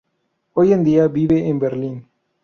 Hoy en día vive en Berlín.